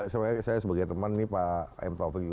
saya sebagai teman nih pak m taufik